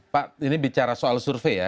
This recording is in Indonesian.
pak ini bicara soal survei ya